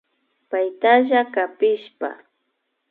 Paytalla kapishpa